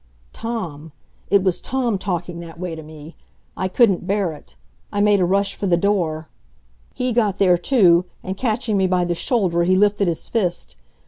Tom! It was Tom talking that way to me. I couldn't bear it. I made a rush for the door. He got there, too, and catching me by the shoulder, he lifted his fist.